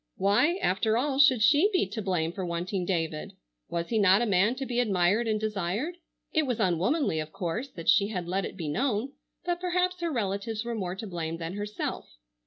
Why, after all, should she be to blame for wanting David? Was he not a man to be admired and desired? It was unwomanly, of course, that she had let it be known, but perhaps her relatives were more to blame than herself.